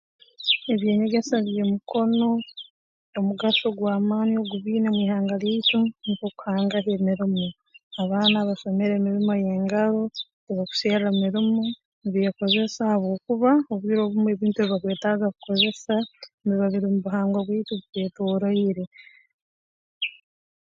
Eby'enyegesa by'emikono omugaso gw'amaani ogu biine mw'ihanga lyaitu nukwo kuhunga aho emirimo abaana abasomere emirimo y'engaro tibakuserra mirimo nibeekozesa habwokuba obwire obumu ebintu ebi bakwetaaga kukozesa nibiba biri mu buhangwa bwaitu bitwetooroire